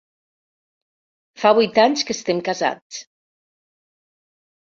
Fa vuit anys que estem casats.